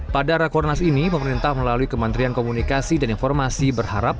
pada rakornas ini pemerintah melalui kementerian komunikasi dan informasi berharap